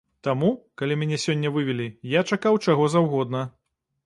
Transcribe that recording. Таму, калі мяне сёння вывелі, я чакаў чаго заўгодна.